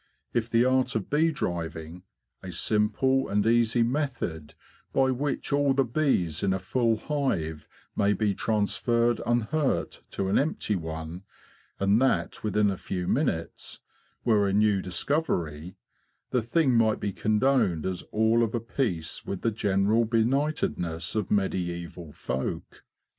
If the art of bee driving—a simple and easy method by which all the bees in a full hive may be transferred unhurt to an empty one, and that within a few minutes—were a new discovery, the thing might be condoned as all of a piece with the general benightedness of medizval folk.